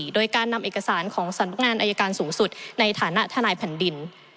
โดยการนำเอกสารของสำนักงานอายการสูงสุดในฐานะทนายแผ่นดิน